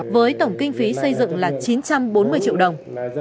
với tổng kinh phí xây dựng là chín trăm bốn mươi triệu đồng